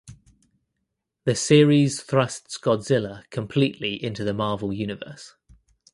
The series thrusts Godzilla completely into the Marvel Universe.